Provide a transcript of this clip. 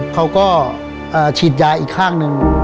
เขาก็ฉีดยาอีกข้างหนึ่ง